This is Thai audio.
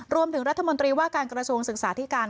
รวมถึงรัฐมนตรีว่าการกระทรวงศึกษาธิการ